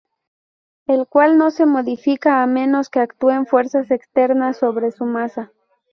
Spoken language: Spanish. El cual no se modifica a menos que actúen fuerzas externas sobre su masa.